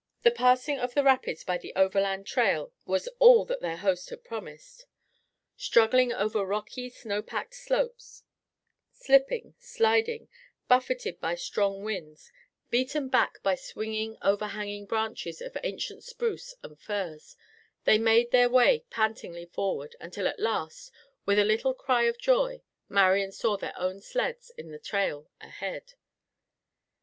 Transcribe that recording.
The passing of the rapids by the overland trail was all that their host had promised. Struggling over rocky, snow packed slopes; slipping, sliding, buffeted by strong winds, beaten back by swinging overhanging branches of ancient spruce and firs, they made their way pantingly forward until at last, with a little cry of joy, Marian saw their own sleds in the trail ahead.